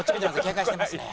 警戒してますね。